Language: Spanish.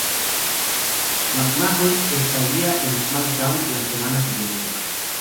McMahon estaría en SmackDown la semana siguiente.